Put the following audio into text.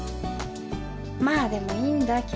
まあでもいいんだ。